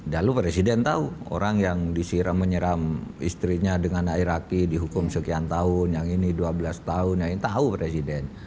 lalu presiden tahu orang yang disiram menyiram istrinya dengan air aki dihukum sekian tahun yang ini dua belas tahun yang tahu presiden